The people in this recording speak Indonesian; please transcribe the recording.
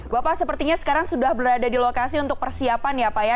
bapak sepertinya sekarang sudah berada di lokasi untuk persiapan ya pak ya